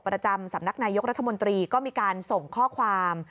ประจำสำนักนายกรัฐมนตรีก็มีการส่งข้อความ